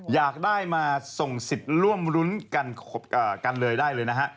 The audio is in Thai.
อยากได้มาส่งสิทธิ์ร่วมรุ้นกันเลยได้เลยนะฮะ